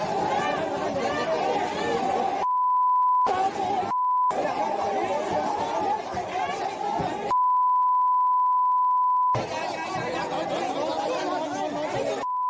ดีนะวุ๊ยเขี่ยงเอเดาละครับ